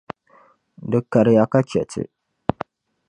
Di kariya ka chɛ ti.